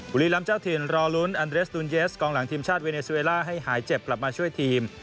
บุรีลำเจ้าถิ่นรอลุ้นอันเรสตูนเยสกองหลังทีมชาติเวเนซูเวล่าให้หายเจ็บกลับมาช่วยทีม